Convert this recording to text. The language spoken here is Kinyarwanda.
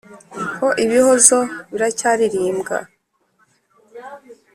ho ibihozo biracyaririmbwa